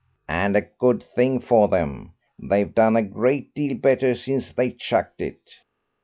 "And a good thing for them; they've done a great deal better since they chucked it."